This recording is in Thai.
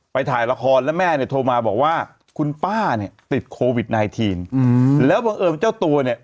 ถ่ายละครแล้วแม่เนี่ยโทรมาบอกว่าคุณป้าเนี่ยติดโควิดไนทีนอืมแล้วบังเอิญเจ้าตัวเนี่ย